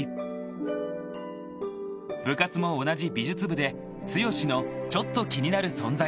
［部活も同じ美術部で剛のちょっと気になる存在］